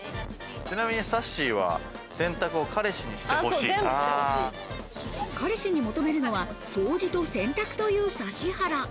ちなみに、さっしーは洗濯を彼氏に求めるのは掃除と洗濯という指原。